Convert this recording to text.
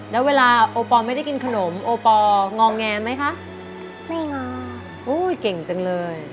แล้วเวลาโอปอล์ไม่ได้กินขนมโอปอล์